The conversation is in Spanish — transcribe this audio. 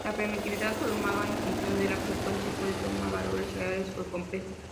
La permitividad, tomada en función de la frecuencia, puede tomar valores reales o complejos.